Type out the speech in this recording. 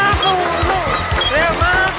มาสู้ลูกเร็วมาสู้ลูก